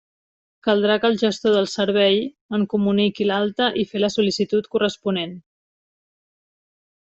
Caldrà que el gestor del servei en comuniqui l'alta i fer la sol·licitud corresponent.